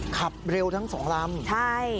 ขับเร็วทั้ง๒ลำ